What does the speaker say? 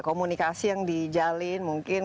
komunikasi yang dijalin mungkin